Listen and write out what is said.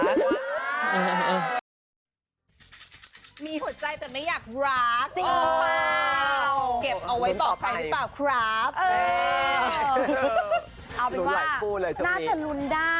จริงหรือเปล่าเก็บเอาไว้ต่อไปหรือเปล่าครับเออ